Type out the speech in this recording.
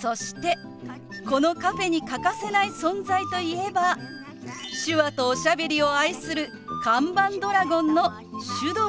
そしてこのカフェに欠かせない存在といえば手話とおしゃべりを愛する看板ドラゴンのシュドラ。